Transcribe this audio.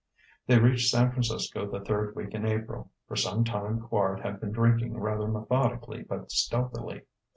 They reached San Francisco the third week in April. For some time Quard had been drinking rather methodically but stealthily.